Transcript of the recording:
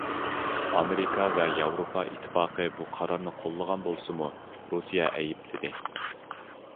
ئامېرىكا ۋە ياۋروپا ئىتتىپاقى بۇ قارارنى قوللىغان بولسىمۇ، رۇسىيە ئەيىبلىدى.